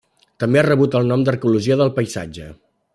També ha rebut el nom d'arqueologia del paisatge.